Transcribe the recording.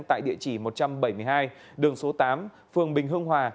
tại địa chỉ một trăm bảy mươi hai đường số tám phường bình hương hòa